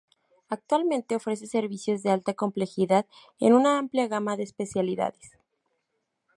Actualmente ofrece servicios de alta complejidad en una amplia gama de especialidades.